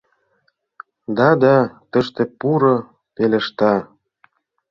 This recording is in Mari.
— Да, да, тыште, пуро, — пелешта.